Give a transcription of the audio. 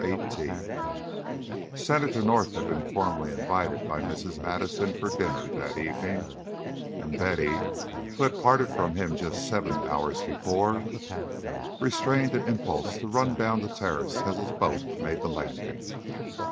XVIII Senator North had been formally invited by Mrs. Madison for dinner that evening, and Betty, who had parted from him just seven hours before, restrained an impulse to run down the terrace as his boat made the landing.